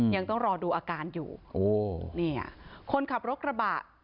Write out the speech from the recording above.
ยังต้องรอดูอาการอยู่คนขับรถกระบะ